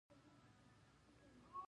د غږ د ثبت په برخه کې کافی کار شوی